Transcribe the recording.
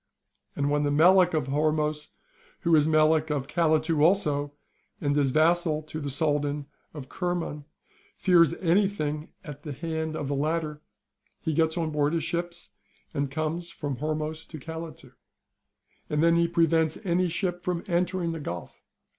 And when the Melic of Hormos, who is Melic of Calatu also, and is vassal to the Soldan of Kerman, fears anything at the hand of the latter, he gets on board his ships and comes from Hormos to Calatu. And then he prevents any ship from entering the Gulf.